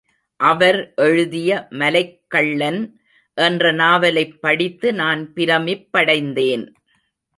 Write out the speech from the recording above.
அவர் எழுதிய மலைக்கள்ளன் என்ற நாவலைப் படித்து நான் பிரமிப்படைந்தேன்.